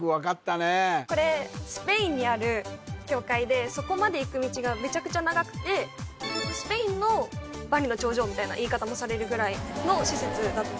スペインにある教会でそこまで行く道がメチャクチャ長くてスペインの万里の長城みたいな言い方もされるぐらいの施設